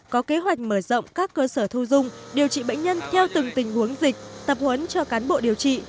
có kế hoạch mở rộng các cơ sở thu dung điều trị bệnh nhân theo từng tình huống dịch tập huấn cho cán bộ điều trị